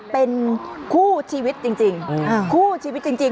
เป็นคู่ชีวิตจริง